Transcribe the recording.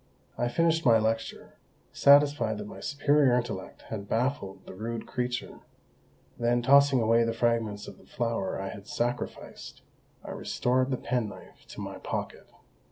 I finished my lecture, satisfied that my superior intellect had baffled the rude creature; then, tossingaway the fragments of the flower I had sacrificed, I restored the penknife to my pocket.